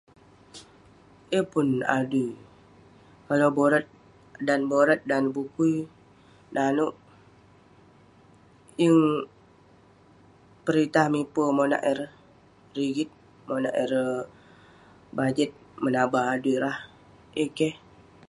Yeng pun adui kalau borat dan borat bukui nanouk yeng peritah miepe monak ireh rigit monak ireh bajet monak ireh tabah adui rah yeng keh